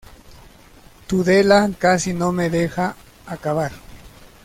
Tudela casi no me deja acabar.